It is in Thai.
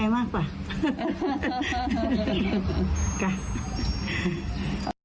แม่ก็รักโอเคก็พูดน่ารักโอเค